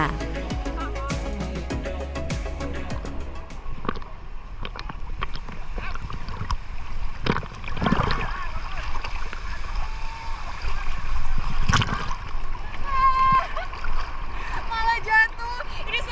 setelah beberapa kali percobaan saya mulai bisa